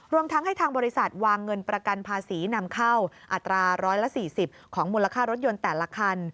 ทั้งให้ทางบริษัทวางเงินประกันภาษีนำเข้าอัตรา๑๔๐ของมูลค่ารถยนต์แต่ละคัน